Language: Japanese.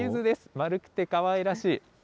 丸くてかわいらしい。